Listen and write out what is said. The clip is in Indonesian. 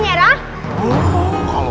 aduh aduh dah